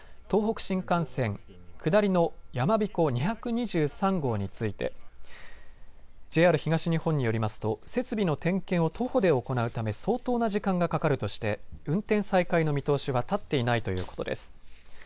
東北新幹線下りのやまびこ２２３号についてＪＲ東日本によりますと設備の点検を徒歩で行うため相当な時間がかかるとして運転再開の見通しは立っていないということです。